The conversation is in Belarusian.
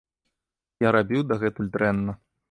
Я рабіў дагэтуль дрэнна.